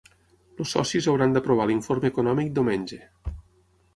Els socis hauran d’aprovar l’informe econòmic diumenge.